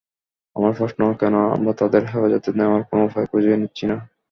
আমার প্রশ্ন কেন আমরা তাদের হেফাজতে নেওয়ার কোন উপায় খুঁজে নিচ্ছি না।